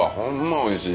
おいしい。